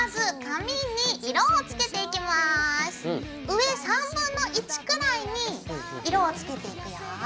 上1/3くらいに色をつけていくよ。